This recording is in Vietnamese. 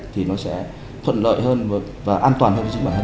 thì nó sẽ thuận lợi hơn và an toàn hơn với chính bản thân